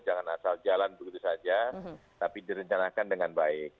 misal jalan begitu saja tapi direncanakan dengan baik